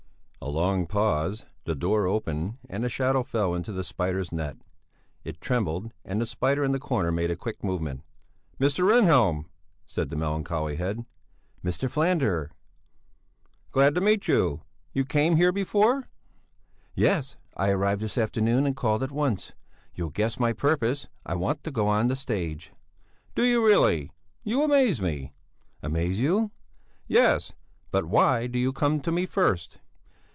A long pause; the door opened and a shadow fell into the spider's net; it trembled, and the spider in the corner made a quick movement. "Mr. Rehnhjelm?" said the melancholy head. "Mr. Falander?" "Glad to meet you! You came here before?" "Yes; I arrived this afternoon and called at once. You'll guess my purpose. I want to go on the stage." "Do you really? You amaze me!" "Amaze you?" "Yes! But why do you come to me first?"